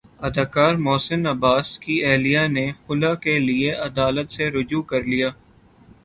اداکار محسن عباس کی اہلیہ نے خلع کے لیے عدالت سےرجوع کر لیا